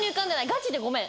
ガチでごめん。